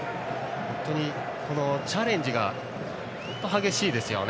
チャレンジが本当、激しいですね。